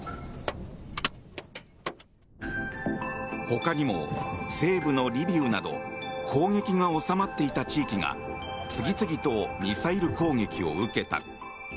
ほかにも西部のリビウなど攻撃が収まっていた地域が次々とミサイル攻撃を受けた。